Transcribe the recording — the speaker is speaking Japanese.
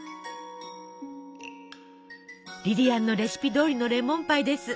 リリアンのレシピどおりのレモンパイです。